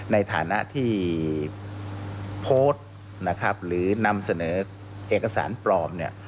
ในฐานะที่โพสต์นะครับหรือนำเสนอเอกสารปลอมเนี่ย